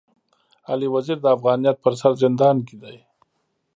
علي وزير د افغانيت پر سر زندان کي دی.